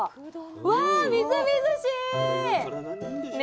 うわみずみずしい！